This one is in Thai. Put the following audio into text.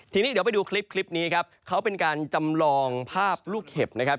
ทีนี้เดี๋ยวไปดูคลิปคลิปนี้ครับเขาเป็นการจำลองภาพลูกเห็บนะครับ